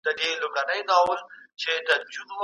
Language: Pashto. نوموړي د ناکامو دولتونو په اړه کتاب ليکلی دی.